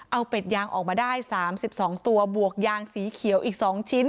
เอาเป็ดยางออกมาได้สามสิบสองตัวบวกยางสีเขียวอีกสองชิ้น